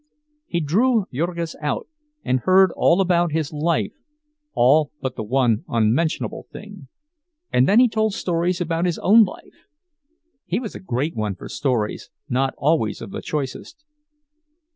He drew Jurgis out, and heard all about his life all but the one unmentionable thing; and then he told stories about his own life. He was a great one for stories, not always of the choicest.